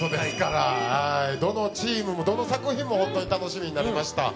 どのチームもどの作品もホントに楽しみになりました